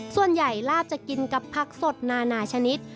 ส่วนใหญ่ลาบจะกินกับผักสดนานาชนิด